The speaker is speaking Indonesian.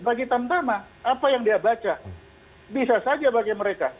bagi tamtama apa yang dia baca bisa saja bagi mereka